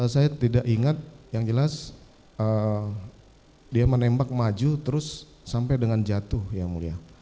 saya tidak ingat yang jelas dia menembak maju terus sampai dengan jatuh yang mulia